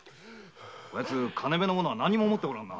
こやつ金目のものは何も持っておらんな。